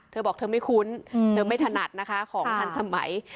เธอบอกเธอไม่คุ้นเธอไม่ถนัดนะคะของทันสมัย